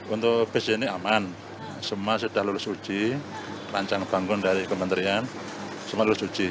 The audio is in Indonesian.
untuk bus ini aman semua sudah lulus uji rancang bangun dari kementerian semua lulus uji